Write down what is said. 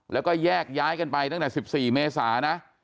แล้วก็แยกย้ายกันไปตั้งแต่๑๔เมษานะ